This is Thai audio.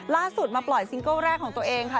ล่าสุดมาปล่อยซิงเกิ้ลแรกของตัวเองค่ะ